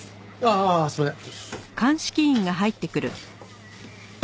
ああすいません。